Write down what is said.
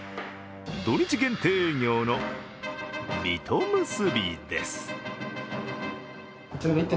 土日限定営業の水戸むすびです。